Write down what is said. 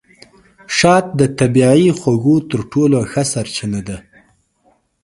شات د طبیعي خوږو تر ټولو ښه سرچینه ده.